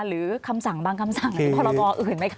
หรือคำสั่งบางคำสั่งหรือพรบอื่นไหมคะ